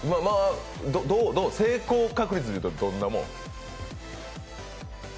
成功確率でいうとどんなもん？